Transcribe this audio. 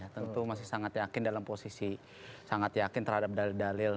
tentu masih sangat yakin dalam posisi sangat yakin terhadap dalil dalil